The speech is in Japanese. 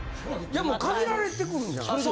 でも限られてくるんじゃない？